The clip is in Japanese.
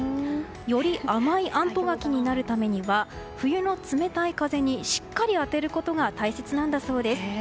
より甘いあんぽ柿になるためには冬の冷たい風にしっかり当てることが大切なんだそうです。